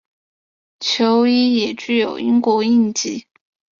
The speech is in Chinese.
球衣也具有英国印记。